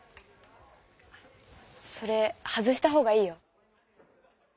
それ外した方がいいよ。